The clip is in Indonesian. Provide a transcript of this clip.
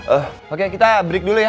oh oke kita break dulu ya